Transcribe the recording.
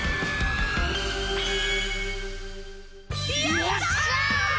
よっしゃ！